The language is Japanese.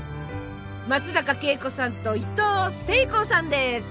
松坂慶子さんといとうせいこうさんです。